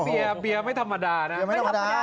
เฮ้ยเบียไม่ธรรมดานะไม่ธรรมดา